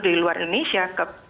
dari luar indonesia